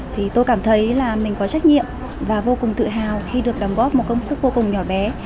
thì tôi cảm thấy là mình có trách nhiệm và vô cùng tự hào khi được đóng góp một công sức vô cùng nhỏ bé